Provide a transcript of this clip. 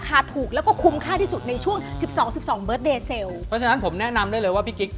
กดปุ่มแล้วก็ร้องไห้ได้เลย